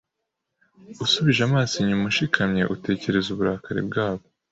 Usubije amaso inyuma ushikamye utekereza uburakari bwabo